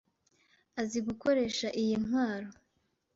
Azi gukoresha iyi ntwaro.